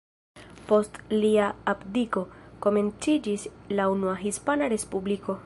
Post lia abdiko, komenciĝis la Unua Hispana Respubliko.